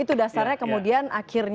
itu dasarnya kemudian akhirnya